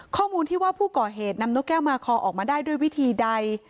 ข้อมูลที่ว่าผู้ก่อเหตุนำนกแก้วมาคอออกมาได้ด้วยวิธีใด